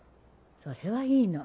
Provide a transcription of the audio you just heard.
それはいいの。